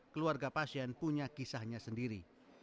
keluarga pasien punya kisahnya sendiri